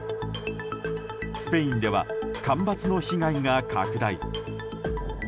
スペインでは干ばつの被害が拡大。